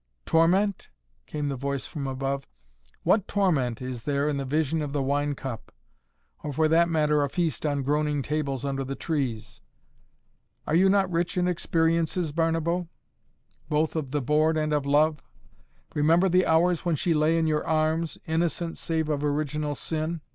"Torment?" came the voice from above. "What torment is there in the vision of the wine cup or, for that matter, a feast on groaning tables under the trees? Are you not rich in experiences, Barnabo, both of the board and of love? Remember the hours when she lay in your arms, innocent, save of original sin?